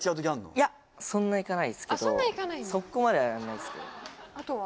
いやそんないかないですけどそこまではやらないですけどあとは？